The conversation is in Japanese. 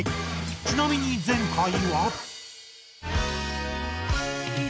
ちなみに前回は。